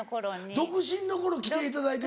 独身の頃来ていただいてて。